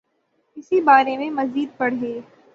اسی بارے میں مزید پڑھیے